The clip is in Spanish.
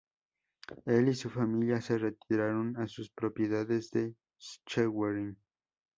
Él y su familia se retiraron a sus propiedades en Schwerin.